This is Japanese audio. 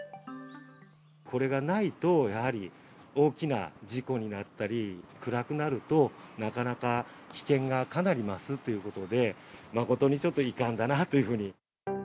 これがないと、やはり大きな事故になったり、暗くなると、なかなか危険がかなり増すということで、誠にちょっと遺憾だなというふうに。